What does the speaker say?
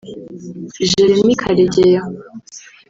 Jeremie Karegeya